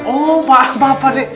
oh maaf pakde